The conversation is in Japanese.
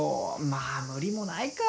まあ無理もないか。